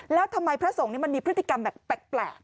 แล้วทำไมพระสงฆ์มันมีพฤติกรรมแบบแปลก